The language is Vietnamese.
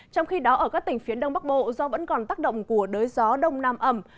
trong khi đó ở các tỉnh phía đông bắc bộ do vẫn còn tác động của đới gió đông nam ẩm